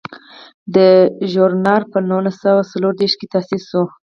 دا ژورنال په نولس سوه څلور دیرش کې تاسیس شو.